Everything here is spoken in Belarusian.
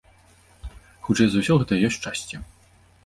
Хутчэй за ўсё, гэта і ёсць шчасце.